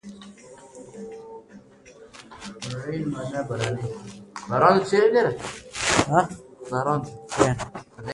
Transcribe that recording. ښوونکي نوي درسي پلانونه جوړوي.